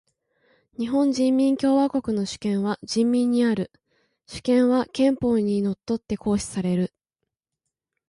日本人民共和国の主権は人民にある。主権は憲法に則って行使される。